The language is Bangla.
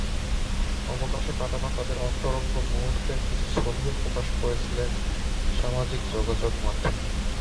অবকাশে কাটানো তাঁদের অন্তরঙ্গ মুহূর্তের কিছু ছবিও প্রকাশ করেছিলেন সামাজিক যোগাযোগের মাধ্যমে।